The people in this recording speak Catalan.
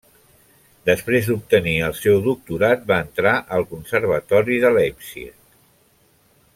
Després d'obtenir el seu doctorat, va entrar al Conservatori de Leipzig.